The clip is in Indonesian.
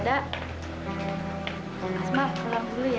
asma pulang dulu ya